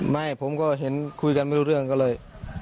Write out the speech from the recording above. ไม่ผมก็เห็นคุยกันไม่รู้เรื่องก็เลย